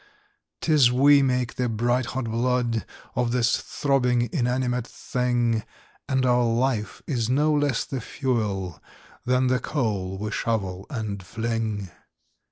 "'Tis we make the bright hot blood Of this throbbing inanimate thing; And our life is no less the fuel Than the coal we shovel and fling.